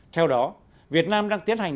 theo đó việt nam đang tiến hành